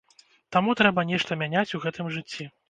Таму трэба нешта мяняць у гэтым жыцці.